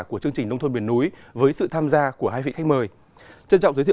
của chương trình nông thôn miền núi với sự tham gia của hai vị khách mời